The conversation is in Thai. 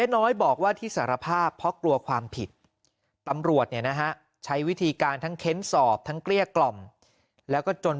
เนี่ยนะฮะใช้วิธีการทั้งเค้นสอบทั้งเกลี้ยกล่อมแล้วก็จน